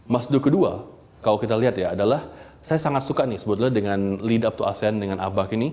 mas do kedua kalau kita lihat ya adalah saya sangat suka nih sebetulnya dengan lead of to asean dengan abah ini